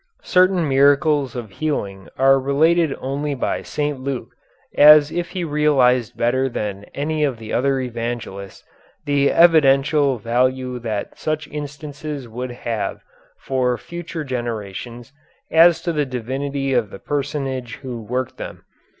Certain miracles of healing are related only by St. Luke as if he realized better than any of the other evangelists the evidential value that such instances would have for future generations as to the divinity of the personage who worked them.